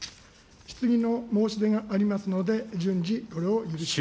質疑の申し出がありますので、順次、これを許します。